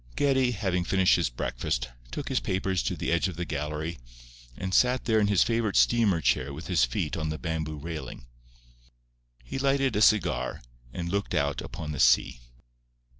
Geddie, having finished his breakfast, took his papers to the edge of the gallery, and sat there in his favourite steamer chair with his feet on the bamboo railing. He lighted a cigar, and looked out upon the sea.